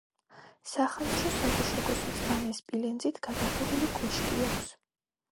სახანძრო საგუშაგოს მწვანე სპილენძით გადახურული კოშკი აქვს.